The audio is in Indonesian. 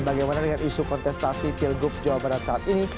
bagaimana dengan isu kontestasi pilgub jawa barat saat ini